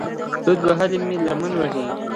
دود وهلې مې لمن وي